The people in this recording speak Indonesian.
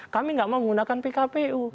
kami gak mau menggunakan pkpu